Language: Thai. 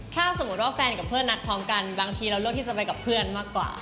จะแพ้เป็นพิเศษเลย